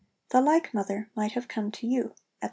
The like Mother, might have come to you,' &c.